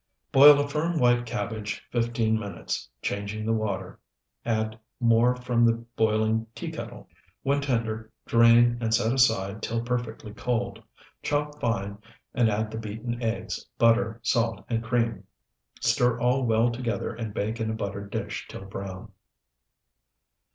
Boil a firm, white cabbage fifteen minutes, changing the water; add more from the boiling teakettle; when tender, drain, and set aside till perfectly cold; chop fine and add the beaten eggs, butter, salt, and cream; stir all well together and bake in a buttered dish till brown.